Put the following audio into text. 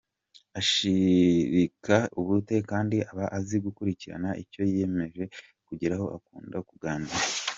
Ashirika ubute kandi aba azi gukurikirana icyo yiyemeje kugeraho, akunda kuganira.